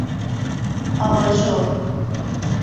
آباژور